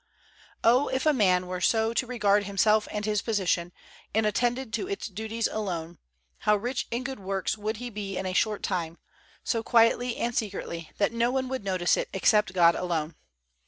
Oh, if a man were so to regard himself and his position, and attended to its duties alone, how rich in good works would he be in a short time, so quietly and secretly that no one would notice it except God alone!